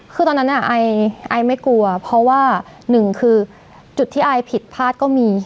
คือตอนนั้นไอไม่กลัวเพราะว่าหนึ่งคือจุดที่ไอผิดพลาดก็มี